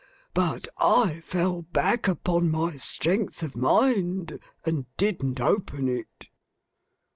But, I fell back upon my strength of mind, and didn't open it!